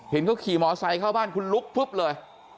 เห็นเขาขี่มอเซ็ตเข้าบ้านคุณลุกปุ๊บเลย